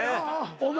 お前